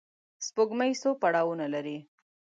سپوږمۍ څو پړاوونه لري